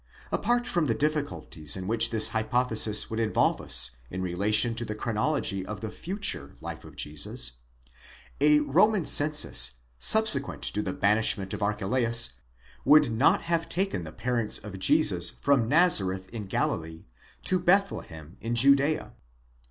Apart from the difficulties in which this hypothesis would involve us in relation to the chrono logy of the future life of Jesus, a Roman census, subsequent to the banishment of Archelaus, would not have taken the parents of Jesus from Nazareth in Galilee to Bethlehem in Judea.